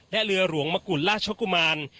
และเรือหลวงมะกุลราชกุมาร